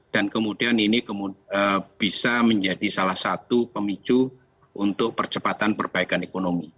dan kemudian ini bisa menjadi salah satu pemicu untuk percepatan perbaikan ekonomi